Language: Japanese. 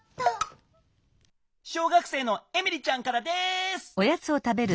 小学生のエミリちゃんからです！